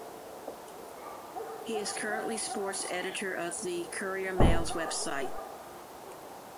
He is currently sports editor of "The Courier-Mail's" website.